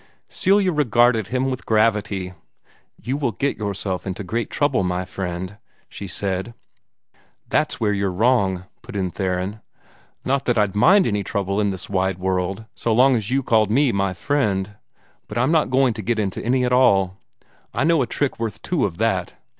Celia regarded him with gravity. "You will get yourself into great trouble, my friend," she said. "That's where you're wrong," put in Theron. "Not that I'd mind any trouble in this wide world, so long as you called me 'my friend,' but I'm not going to get into any at all. I know a trick worth two of that.